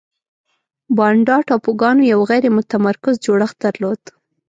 بانډا ټاپوګانو یو غیر متمرکز جوړښت درلود.